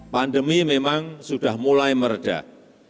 pandemi memang sudah mulai meredah